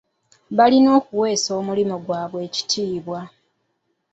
Balina okuweesa omulimu gwabwe ekitiibwa.